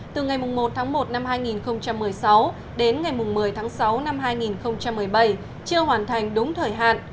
từ ngày một một hai nghìn một mươi sáu đến ngày một mươi sáu hai nghìn một mươi bảy chưa hoàn thành đúng thời hạn